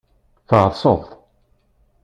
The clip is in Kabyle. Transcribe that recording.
Tɛeḍseḍ.